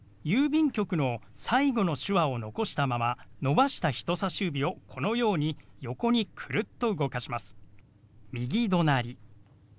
「郵便局」の最後の手話を残したまま伸ばした人さし指をこのように横にクルッと動かします。